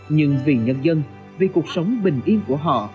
nhưng vì nhân dân vì cuộc sống bình yên của họ